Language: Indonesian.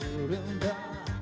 kau bergaya terendah